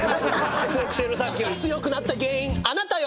強くなった原因あなたよ？